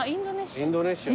インドネシア。